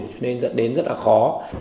cho nên dẫn đến rất là khó